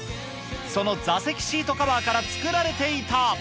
その座席シートカバーから作られていた。